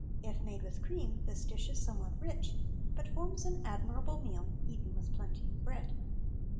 If made with cream this dish is somewhat rich, but forms an admirable meal eaten with plenty of bread.